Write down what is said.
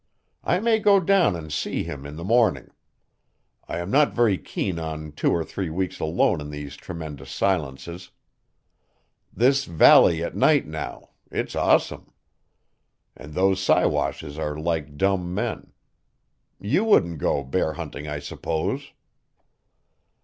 "I may go down and see him in the morning. I am not very keen on two or three weeks alone in these tremendous silences. This valley at night now it's awesome. And those Siwashes are like dumb men. You wouldn't go bear hunting, I suppose?"